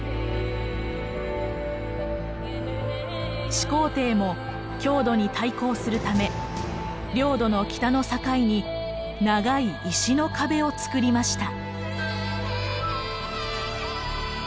始皇帝も匈奴に対抗するため領土の北の境に長い石の壁をつくりました。